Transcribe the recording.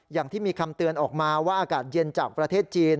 อย่างที่มีคำเตือนออกมาว่าอากาศเย็นจากประเทศจีน